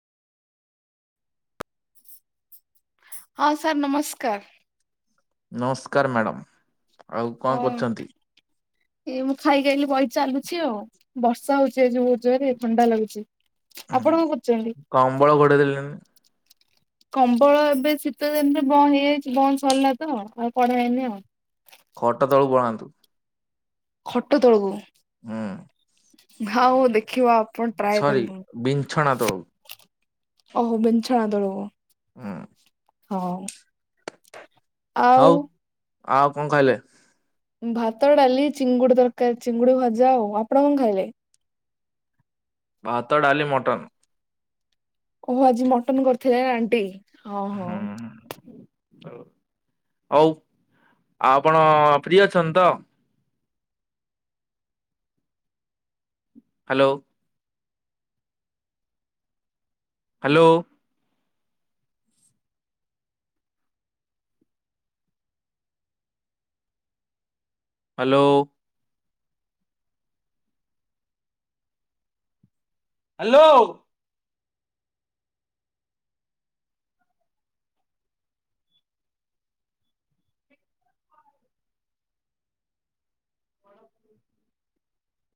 [inaudible] ହଁ ସାର୍ ନମସ୍କାର। ନମସ୍କାର ମ୍ୟାଡ଼ାମ। [inaudible] ଆଉ କଣ ହଁ କରୁଛନ୍ତି? ଏ ମୁଁ ଖାଇକି ଆଇଲି ବହି ଚାଲୁଛି ଆଉ ।ବର୍ଷା ହଉଛି ଏ ଯୋଉ ଜୋରେ ଥଣ୍ଡା ଲାଗୁଛି। ଆପଣ କଣ କରୁଛନ୍ତି? ହୁଁ କମ୍ବଳ ଘୋଡେଇ ଦେଲେଣି। କମ୍ବଳ ଏବେ ଶୀତ ଦିନରେ ବନ୍ଦ ହେଇଯାଇଛି। ବନ୍ଦ ସରିଲା ତ ଆଉ କଢେଇ ହେଇନି ଆଉ। ଖଟ ତଳକୁ ପଳାନ୍ତୁ। ଖଟ ତଳକୁ? ହୁଁ ନାଁ ଦେଖିବା ଆପଣ ଟ୍ରାଏ ସରି କରିବୁ। ବିଛଣା ତଳକୁ ଓହୋ ବିନଛଣା ତଳକୁ। ହୁଁ। ହଉ। ଆଉ ହଉ ଆଉ କଣ ଖାଇଲେ? ଭାତ, ଡାଲି, ଚିଙ୍ଗୁଡି ତରକାରି, ଚିଙ୍ଗୁଡି ଭଜା। ଆଉ ଆପଣ କଣ ଖାଇଲେ? ଭାତ, ଡାଲି, ମଟନ୍। ଓହୋ ଆଜି ମଟନ କରିଥିଲେ ଆଣ୍ଟି। ଓ ହୋ। ହ ହଉ। ଆ ଆପଣ ଫ୍ରି ଅଛନ୍ତି ତ? Hello hello hello hello